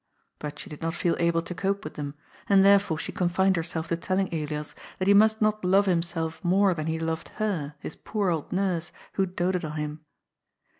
But she did not feel able to cope with them, and therefore she confined herself to tell ing Elias that he must not love himself more than he loved her, his poor old nurse, who doted on him.